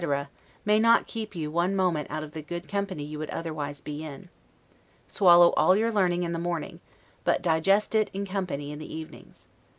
may not keep you one moment out of the good company you would otherwise be in. Swallow all your learning in the morning, but digest it in company in the evenings.